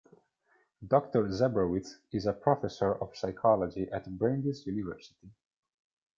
Doctor Zebrowitz is a professor of psychology at Brandeis University.